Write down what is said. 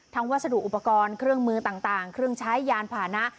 วัสดุอุปกรณ์เครื่องมือต่างเครื่องใช้ยานผ่านะ